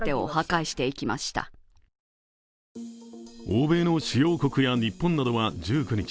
欧米の主要国や日本などは１９日